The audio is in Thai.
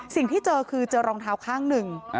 สิ่งที่เจอคือเจอรองเท้าข้างหนึ่ง